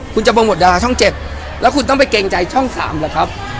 คุณจะโปรโมทดาราช่อง๗แล้วคุณต้องไปเกรงใจช่อง๓เหรอครับ